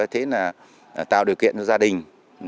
tạo điều kiện cho gia đình